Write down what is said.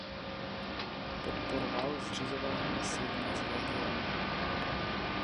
Podporoval zřizování silnic v regionu.